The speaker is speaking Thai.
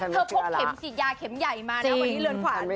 พกเข็มฉีดยาเข็มใหญ่มานะวันนี้เรือนขวาน